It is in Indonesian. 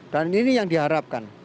dan ini yang diharapkan